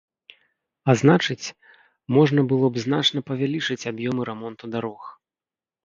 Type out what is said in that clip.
А значыць, можна было б значна павялічыць аб'ёмы рамонту дарог.